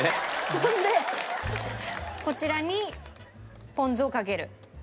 そんでこちらにポン酢をかける。